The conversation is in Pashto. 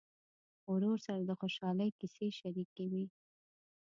ورور سره د خوشحالۍ کیسې شريکې وي.